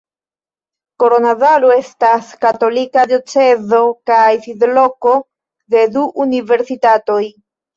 Koronadalo estas katolika diocezo kaj sidloko de du universitatoj.